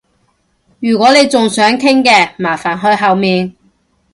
如果你仲想傾嘅，麻煩去後面